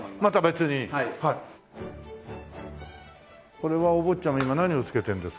これはお坊ちゃんは今は何をつけてんですか？